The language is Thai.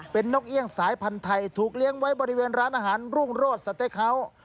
เป็นนกเอี่ยงสายพันธุ์ไทยถูกเลี้ยงไว้บริเวณร้านอาหารรุ่งโรศสเต้เขา